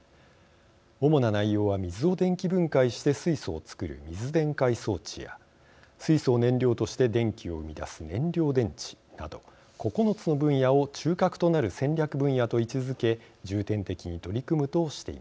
主な内容は水を電気分解して水素を作る水電解装置や水素を燃料として電気を生み出す燃料電池など９つの分野を中核となる戦略分野と位置づけ重点的に取り組むとしています。